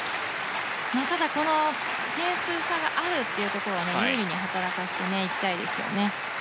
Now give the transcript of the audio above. ただ、点数差があるということは有利に働かせていきたいですね。